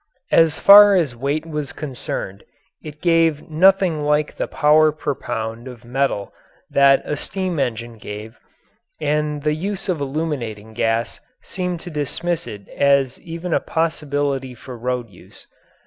As far as weight was concerned it gave nothing like the power per pound of metal that a steam engine gave, and the use of illuminating gas seemed to dismiss it as even a possibility for road use.